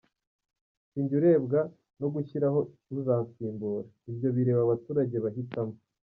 Sinjye urebwa no gushyiraho uzansimbura, ibyo bireba abaturage bahitamo.